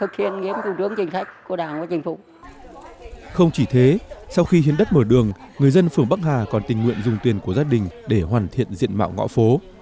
không chỉ thế sau khi hiến đất mở đường người dân phường bắc hà còn tình nguyện dùng tiền của gia đình để hoàn thiện diện mạo ngõ phố